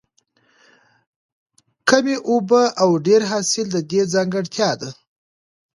کمې اوبه او ډېر حاصل د دې ځانګړتیا ده.